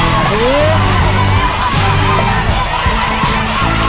สวัสดีครับ